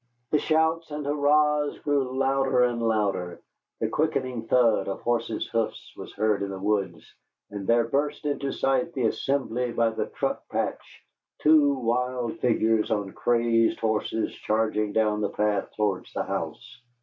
The shouts and hurrahs grew louder and louder, the quickening thud of horses' hoofs was heard in the woods, and there burst into sight of the assembly by the truck patch two wild figures on crazed horses charging down the path towards the house.